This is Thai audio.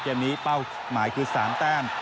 เกมนี้เป้าหมายคือ๓แต้ม